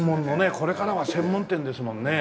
これからは専門店ですもんね。